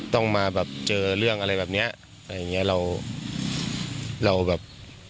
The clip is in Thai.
ต้องมาแบบเจอเรื่องอะไรแบบเนี้ยอะไรอย่างเงี้ยเราเราแบบ